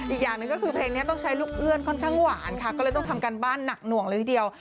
อีกอย่างหนึ่งก็คือเพลงนี้ต้องใช้ลูกเอื้อนค่อนข้างหวานค่ะก็เลยต้องทำการบ้านหนักหน่วงเลยทีเดียว